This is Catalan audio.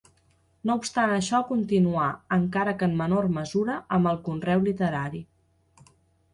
No obstant això continuà, encara que en menor mesura, amb el conreu literari.